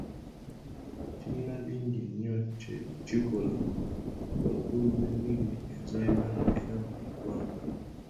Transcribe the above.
Kirina bingi nnyo bye kyoleka ku bukulu bw’ennimi enzaaliranwa eri buli ggwanga.